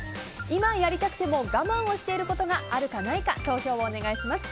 今やりたくても我慢していることがあるかないか投票をお願いします。